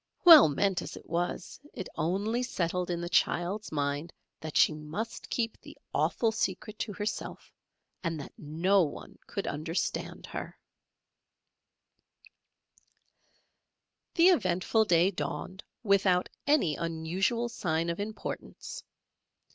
Well meant as it was, it only settled in the child's mind that she must keep the awful secret to herself and that no one could understand her. The eventful day dawned without any unusual sign of importance.